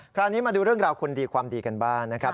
คราวนี้มาดูเรื่องราวคนดีความดีกันบ้างนะครับ